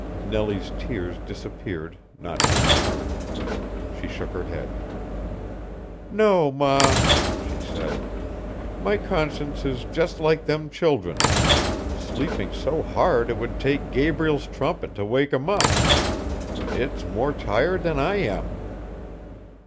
Nellie's tears disappeared not to return. She shook her head. "No, ma," she said; "my conscience is just like them children sleeping so hard it would take Gabriel's trumpet to wake 'em up. It's more tired than I am."